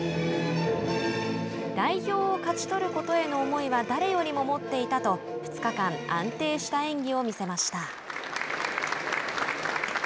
代表を勝ち取ることへの思いは誰よりも持っていたと２日間安定した演技を見せました。